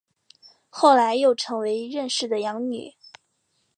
后来又成为任氏的养女。